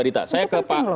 dari serikat pekerja